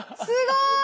すごい！